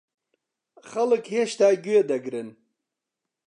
خەڵک هێشتا گوێ دەگرن؟